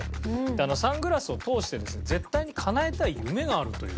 でサングラスを通してですね絶対にかなえたい夢があるという。